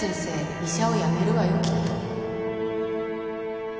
医者を辞めるわよきっと